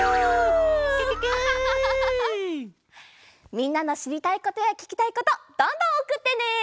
みんなのしりたいことやききたいことどんどんおくってね！